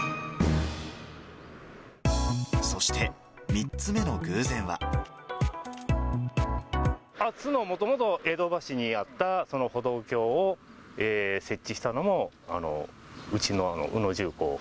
そして、津のもともと、江戸橋にあったその歩道橋を設置したのも、うちの宇野重工。